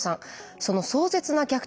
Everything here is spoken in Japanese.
その壮絶な逆転